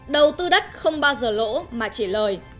đầu tư đất không bao giờ lỗ mà chỉ lời